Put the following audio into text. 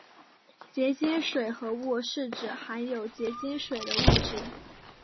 结晶水合物是指含有结晶水的物质。